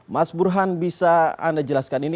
mas burhan bisa anda jelaskan ini